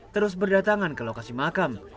terus berdatangan ke lokasi makam